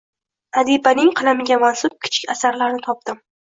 Adibaning qalamiga mansub kichik asarlarni topdim